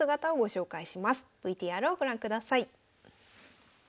ＶＴＲをご覧ください。